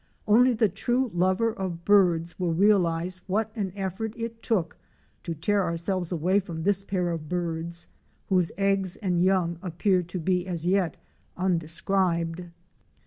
Only the true lover of birds will realize what an effort it took to tear our selves away from this pair of birds, whose eggs and young appear to be as yet undescribed.